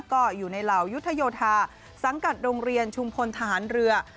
ก็อยู่ในเหล่ายุทธโยธาสังกัดโรงเรียนชุมพลทหารเรือ